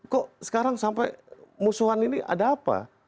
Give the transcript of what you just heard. kok sekarang sampai musuhan ini ada apa